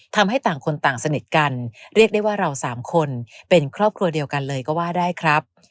ต่างคนต่างสนิทกันเรียกได้ว่าเราสามคนเป็นครอบครัวเดียวกันเลยก็ว่าได้ครับ